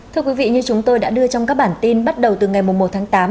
thưa quý vị như chúng tôi đã đưa trong các bản tin bắt đầu từ ngày một tháng tám